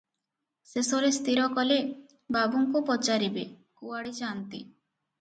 ଶେଷରେ ସ୍ଥିର କଲେ, ବାବୁଙ୍କୁ ପଚାରିବେ, କୁଆଡ଼େ ଯାନ୍ତି ।